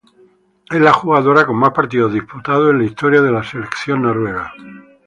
Es la jugadora con mas partidos disputados en la historia de la Selección Noruega.